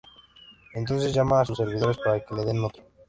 Entonces llama a sus servidores para que le den otro.